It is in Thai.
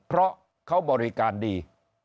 เพราะเขาบริการดี